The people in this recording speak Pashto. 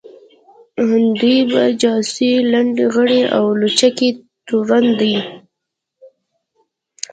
دوی په جاسوۍ ، لنډغري او لوچکۍ تورن دي